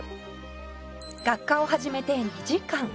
「学科を始めて２時間」